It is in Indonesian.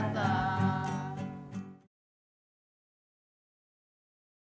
bahwa mereka bisa menghargai mereka sendiri